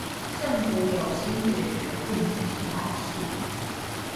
政府有心解決問題是好事